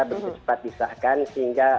kita cepat disahkan